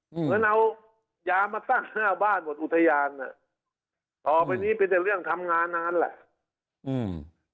เหมือนเอายามาตั้งหน้าบ้านหมดอุทยานอ่ะต่อไปนี้เป็นแต่เรื่องทำงานนานแหละอืม